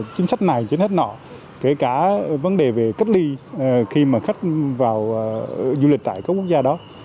chính sách này trên hết nọ kể cả vấn đề về cách ly khi mà khách vào du lịch tại các quốc gia đó